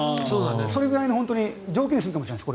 それくらいの条件にするかもしれないです。